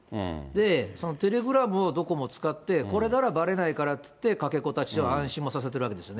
そのテレグラムをどこも使って、これならばれないからっていって、かけ子たちを安心もさせているわけですよね。